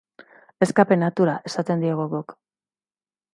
Escape-natura esaten diogu guk.